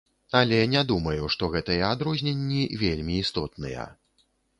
Але не думаю, што гэтыя адрозненні вельмі істотныя.